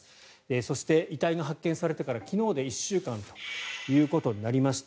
そして、遺体が発見されてから昨日で１週間ということになりました。